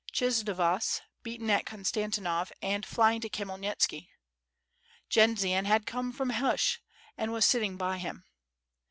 Kshyvonos, beaten at Konstantinov and fly ing to Khmyelnitski. Jendzian had come from Hushch and was sitting hy him.